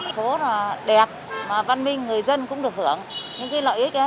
phố là đẹp văn minh người dân cũng được hưởng những lợi ích đấy